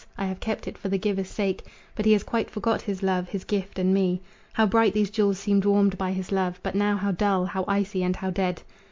I have kept it for the giver's sake, But he has quite forgot his love, his gift, and me. How bright these jewels seemed warmed by his love, But now how dull, how icy and how dead!"